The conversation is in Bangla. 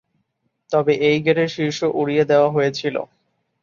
তবে এই গেটের শীর্ষ উড়িয়ে দেওয়া হয়েছিল।